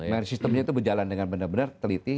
merit system nya itu berjalan dengan benar benar teliti